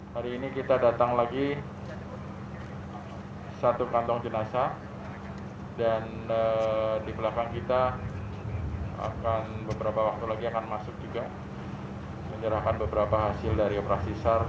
hari ini kita datang lagi satu kantong jenazah dan di belakang kita akan beberapa waktu lagi akan masuk juga menyerahkan beberapa hasil dari operasi sar